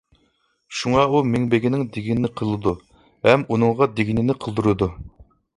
شۇڭا ئۇ مىڭبېگىنىڭ دېگىنىنى قىلىدۇ ھەم ئۇنىڭغا دېگىنىنى قىلدۇرىدۇ.